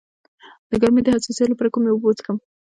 د ګرمۍ د حساسیت لپاره کومې اوبه وڅښم؟